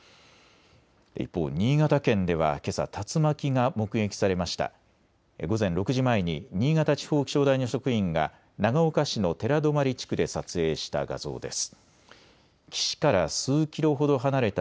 一方、新潟県ではけさ、竜巻が目撃されました。